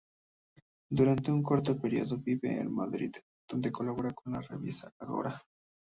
Durante un corto periodo vive en Madrid, donde colabora con la revista Ágora.